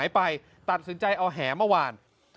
ปิดตามัน